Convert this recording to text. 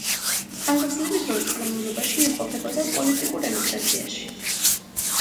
ხანგრძლივი დროის განმავლობაში იმყოფებოდა პოლიტიკურ ემიგრაციაში.